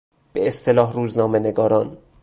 به اصطلاح روزنامه نگاران